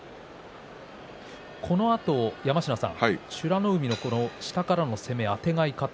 このあと、山科さん美ノ海の下からの攻めあてがい方。